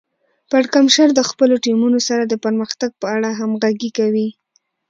پړکمشر د خپلو ټیمونو سره د پرمختګ په اړه همغږي کوي.